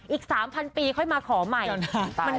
อีก๓๐๐๐ปีค่อยมาขอใหม่เดี๋ยวนะ